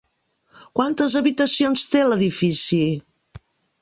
Quantes habitacions té l'edifici?